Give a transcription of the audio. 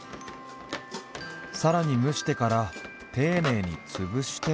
さらに蒸してから丁寧につぶして。